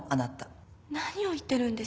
何を言ってるんですか？